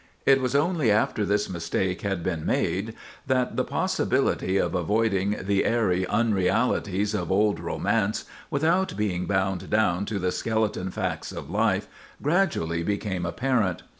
It was only after this mistake had been made that the possibility of avoiding the airy unrealities of old romance, without being bound down to the skeleton facts of life, gradually became apparent.